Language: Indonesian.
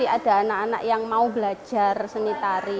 ada anak anak yang mau belajar seni tari